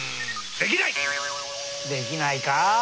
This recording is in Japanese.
できないよ。